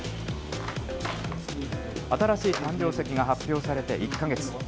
新しい誕生石が発表されて１か月。